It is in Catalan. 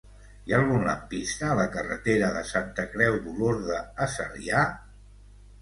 Hi ha algun lampista a la carretera de Santa Creu d'Olorda a Sarrià?